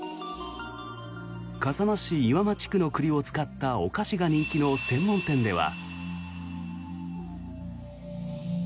笠間市岩間地区の栗を使ったお菓子が人気の専門店では。